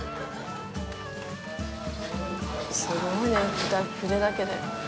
すごいね、筆だけで。